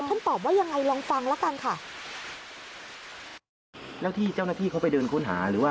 ท่านตอบว่ายังไงลองฟังแล้วกันค่ะ